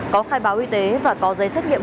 có khai báo y tế và có giấy xét nghiệm